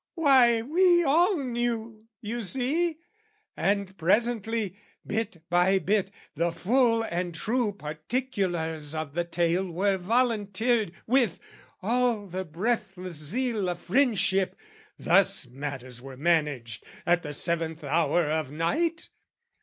Why, we all knew, you see!" And presently, bit by bit, the full and true Particulars of the tale were volunteered With all the breathless zeal of friendship "Thus "Matters were managed: at the seventh hour of night"?